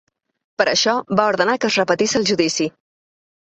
Per això, va ordenar que es repetís el judici.